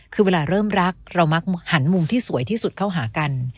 คือเวลาเริ่มรักเรามักหันมุมที่สวยที่สุดเข้าหากัน